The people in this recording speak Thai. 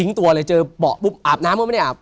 ตัวเลยเจอเบาะปุ๊บอาบน้ำก็ไม่ได้อาบ